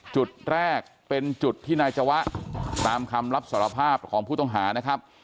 จุดแรกเป็นจุดที่นายจวะตามคำรับสารภาพของผู้ต้องหานะครับ